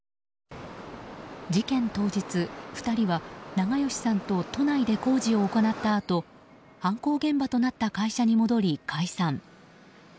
事件当日、２人は長葭さんと都内で工事を行ったあと犯行現場となった会社に戻り、解散。